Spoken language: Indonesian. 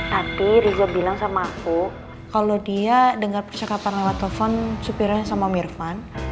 tadi riza bilang sama aku kalau dia dengar percakapan lewat telepon supirnya sama mirfan